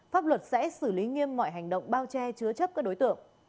pháp luật sẽ xử lý nghiêm mọi hành động bao che chứa chấp các đối tượng